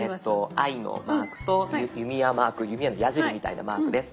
ｉのマークと弓矢マーク弓矢の矢じりみたいなマークです。